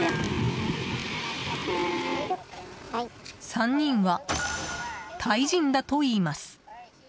３人は、タイ人だといいます。